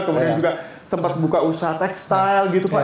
kemudian juga sempat buka usaha tekstil gitu pak